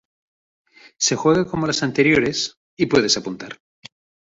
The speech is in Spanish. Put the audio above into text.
Se juega como los anteriores y puedes apuntar.